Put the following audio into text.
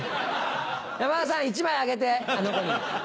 山田さん１枚あげてあの子に。